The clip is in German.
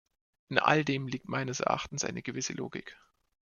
In alldem liegt meines Erachtens eine gewisse Logik.